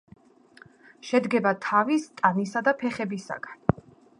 შედგება თავის, ტანისა და ფეხისაგან.